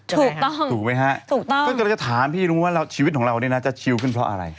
ถูกต้องถูกไหมฮะก็เลยจะถามพี่นุ่มว่าชีวิตของเราจะชิลขึ้นเพราะอะไร